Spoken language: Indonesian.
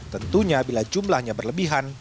tentunya bila jumlahnya berlebihan